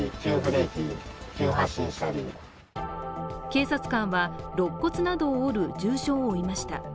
警察官はろっ骨などを折る重傷を負いました。